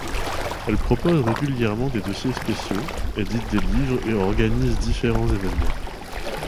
Elle propose régulièrement des dossiers spéciaux, édite des livres et organise différents événements.